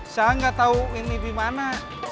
saya nggak tahu ini di mana